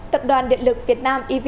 tập đoàn điện lực việt nam